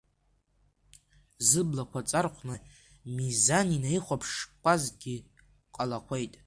Зыблақәа ҵархәны Мизан инаихәаԥшқәазгьы ҟалақәеит…